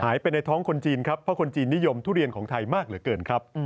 ในท้องคนจีนครับเพราะคนจีนนิยมทุเรียนของไทยมากเหลือเกินครับ